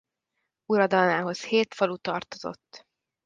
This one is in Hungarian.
Uradalmához hét falu tartozott.